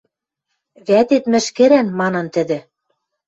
Вӓтет мӹшкӹрӓн, — манын тӹдӹ.